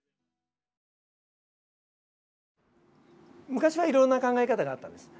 昔はいろいろな考え方があったんです。